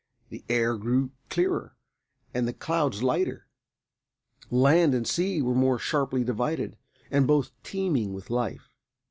The air grew clearer and the clouds lighter. Land and sea were more sharply divided, and both teeming with life.